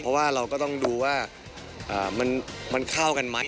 เพราะว่าเราก็ต้องดูว่ามันเข้ากันไหม